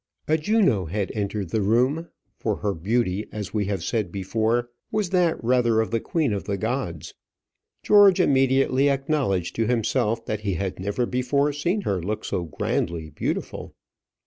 A Juno had entered the room; for her beauty, as we have said before, was that rather of the queen of the gods. George immediately acknowledged to himself that he had never before seen her look so grandly beautiful.